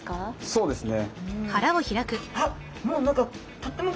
そうですね。